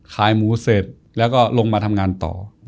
ขายหมูเสร็จแล้วก็ลงมาทำงานต่อ